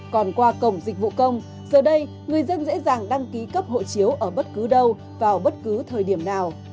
còn qua cổng dịch vụ công giờ đây người dân dễ dàng đăng ký cấp hộ chiếu ở bất cứ đâu vào bất cứ thời điểm nào